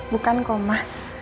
bukan kok ma